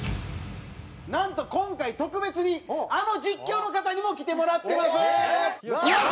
なんと今回特別にあの実況の方にも来てもらってます！